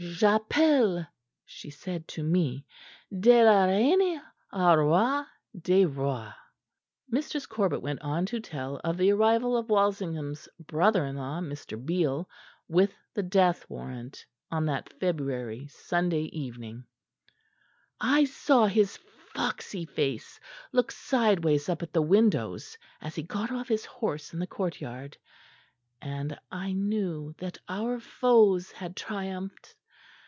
'J'appelle,' she said to me, 'de la reine au roi des rois.'" Mistress Corbet went on to tell of the arrival of Walsingham's brother in law, Mr. Beale, with the death warrant on that February Sunday evening. "I saw his foxy face look sideways up at the windows as he got off his horse in the courtyard; and I knew that our foes had triumphed.